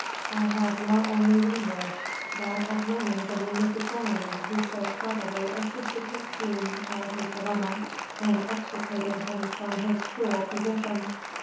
I have now only one wish, that of learning the name of the gentleman who so cleverly assisted his king out of his dilemma, and extricated him from his cruel position."